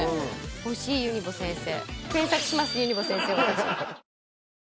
欲しいユニボ先生。